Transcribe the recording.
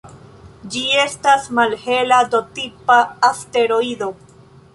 Ĝi estas malhela D-tipa asteroido.